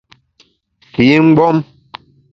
Fi mgbom !